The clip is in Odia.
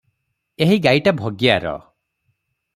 ଏହି ଗାଈଟା ଭଗିଆର ।